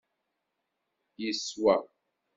Yeswa.